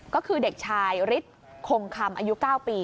ก็คือเด็กชายฤทธิ์คงคำอายุ๙ปี